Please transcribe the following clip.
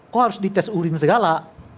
kok harus dites urin segala